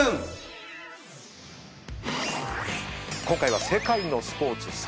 今回は世界のスポーツ